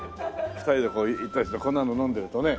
２人でこう１対１でこんなの飲んでるとね。